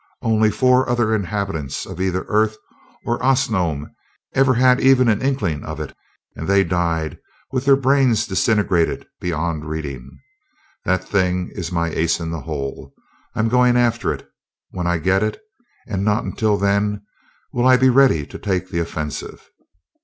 Only four other inhabitants of either Earth or Osnome ever had even an inkling of it, and they died, with their brains disintegrated beyond reading. That thing is my ace in the hole. I'm going after it. When I get it, and not until then, will I be ready to take the offensive."